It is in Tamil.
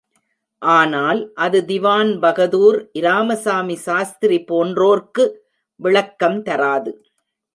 ஆனால், அது திவான் பகதூர் இராமசாமி சாஸ்திரி போன்றோர்க்கு விளக்கம் தராது!